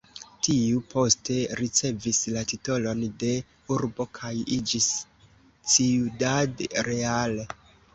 Tiu poste ricevis la titolon de urbo kaj iĝis Ciudad Real.